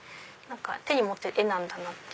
手に持つと絵なんだなって。